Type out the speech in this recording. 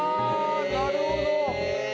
あなるほど！